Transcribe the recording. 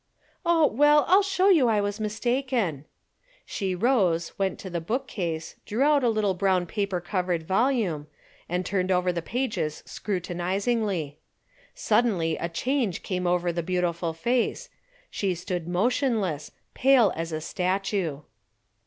"Oh, well, I'll show you I was mistaken." She rose, went to the book case, drew out a little brown paper covered volume, and turned over the pages scrutinizingly. Suddenly a change came over the beautiful face; she stood motionless, pale as a statue.